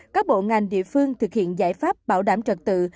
các bộ ngành địa phương thực hiện giải pháp bảo đảm trật tự